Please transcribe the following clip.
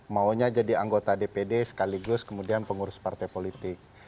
maunya jadi anggota dpd sekaligus kemudian pengurus partai politik